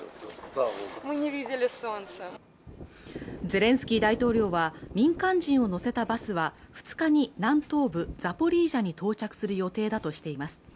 ゼレンスキー大統領は民間人を乗せたバスは２日に南東部ザポリージャに到着する予定だとしています